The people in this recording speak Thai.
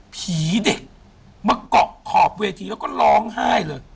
ผีเด็กมาเกาะขอบเวทีแล้วก็ร้องไห้เลย